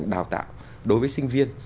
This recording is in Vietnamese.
đào tạo đối với sinh viên